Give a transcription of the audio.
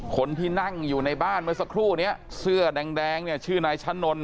คนที่นั่งอยู่ในบ้านเมื่อสักครู่นี้เสื้อแดงเนี่ยชื่อนายชะนนท